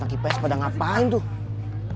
nanti ps pada ngapain tuh